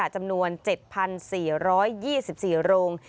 จำนวน๗๔๒๔โรง